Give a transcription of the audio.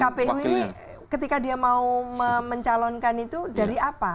kpu ini ketika dia mau mencalonkan itu dari apa